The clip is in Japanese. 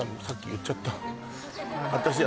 さっき言っちゃった